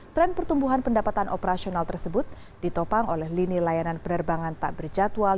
tren pertumbuhan pendapatan operasional tersebut ditopang oleh lini layanan penerbangan tak berjadwal